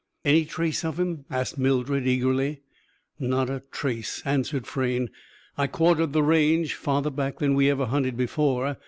"Any trace of him?" asked Mildred, eagerly. "Not a trace," answered Frayne. "I quartered the range, farther back than we ever hunted before.